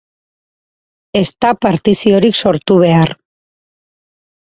Ez da partiziorik sortu behar.